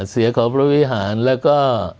เสียของพระวิหารแล้วก็